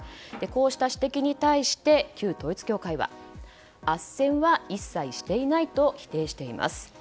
こうした指摘に対して旧統一教会はあっせんは一切していないと否定しています。